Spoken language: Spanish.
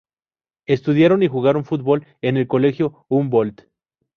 Estudiaron y jugaron fútbol en el Colegio Humboldt.